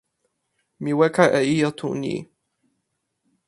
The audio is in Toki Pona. mi weka e ijo tu ni.